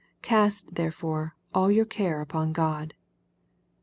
Cast therefore, a..! your care upon God."